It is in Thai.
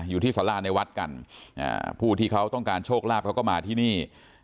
อยู่ที่สาราในวัดกันผู้ที่เขาต้องการโชคลาภเขาก็มาที่นี่